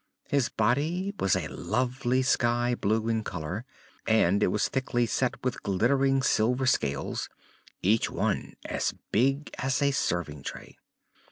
His body was a lovely sky blue in color and it was thickly set with glittering silver scales, each one as big as a serving tray.